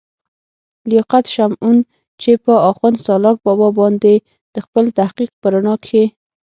لياقت شمعون، چې پۀ اخون سالاک بابا باندې دَخپل تحقيق پۀ رڼا کښې